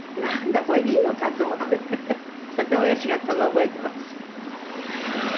これでいいのかと思ってとってもうれしかったのを覚えてます。